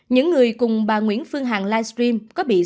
những người cùng bà nguyễn phương hằng livestream có bị xử lý